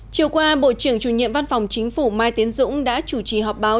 chiều qua bộ trưởng chủ nhiệm văn phòng chính phủ mai tiến dũng đã chủ trì họp báo